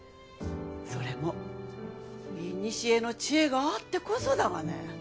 それもいにしえの知恵があってこそだがね。